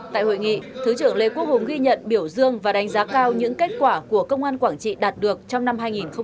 tại hội nghị thứ trưởng lê quốc hùng ghi nhận biểu dương và đánh giá cao những kết quả của công an quảng trị đạt được trong năm hai nghìn hai mươi ba